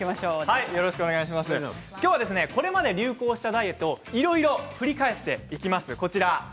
今日はこれまで流行したダイエットをいろいろ振り返っていきます。